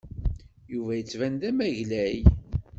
Yuba yettban d amaglay.